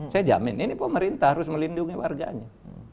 saya jamin ini pemerintah harus melindungi warganya